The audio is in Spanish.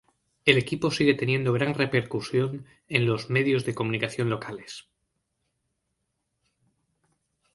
El equipo sigue teniendo gran repercusión en los medios de comunicación locales.